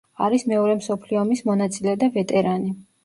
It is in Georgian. არის მეორე მსოფლიო ომის მონაწილე და ვეტერანი.